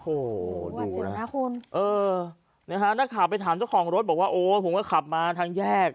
โอ้โหดูนะนักข่าวไปถามเจ้าของรถบอกว่าโอ้ผมก็ขับมาทางแยก